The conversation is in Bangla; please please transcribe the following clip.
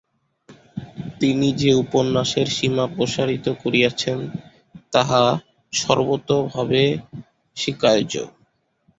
তিনি যে উপন্যাসের সীমা প্রসারিত করিয়াছেন তাহা সর্বোতোভাবে স্বীকার্য।